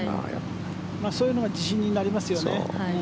そういうのが自信になりますよね。